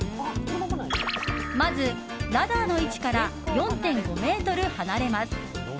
まずラダーの位置から４．５ｍ離れます。